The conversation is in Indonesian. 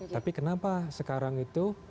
tapi kenapa sekarang itu